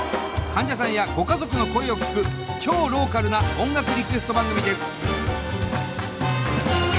患者さんやご家族の声を聞く超ローカルな音楽リクエスト番組です。